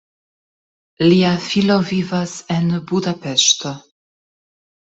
Lia filo vivas en Budapeŝto.